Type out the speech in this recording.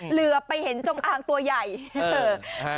เหลือไปเห็นจงอางตัวใหญ่